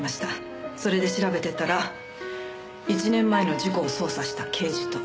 それで調べてたら１年前の事故を捜査した刑事と。